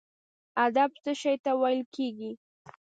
ادب څه شي ته ویل کیږي؟